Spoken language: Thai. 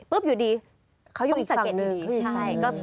ปึ๊บอยู่ดีต้องสังเกตนี้